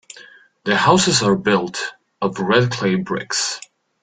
The houses are built of red clay bricks.